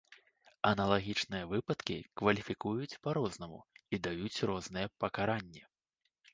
Аналагічныя выпадкі кваліфікуюць па-рознаму і даюць розныя пакаранні.